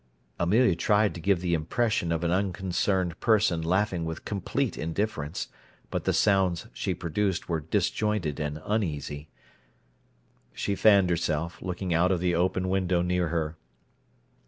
Amelia tried to give the impression of an unconcerned person laughing with complete indifference, but the sounds she produced were disjointed and uneasy. She fanned herself, looking out of the open window near her.